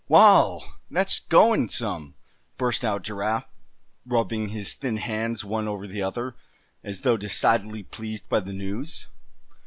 "Wow! that's going some!" burst out Giraffe, rubbing his thin hands one over the other, as though decidedly pleased by the news.